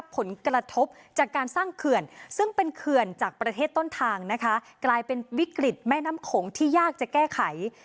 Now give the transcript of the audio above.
กลายเป็นวิกฤตแม่น้ำขงที่ยากจะแก้ไข